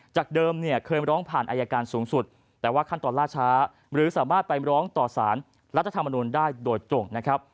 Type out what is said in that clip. จากเดิมเนี่ยเคยร้องผ่านอายการสูงสุดแต่ว่าขั้นตอนล่าช้าหรือสามารถไปร้องต่อสารรัฐธรรมนุนได้โดยตรงนะครับ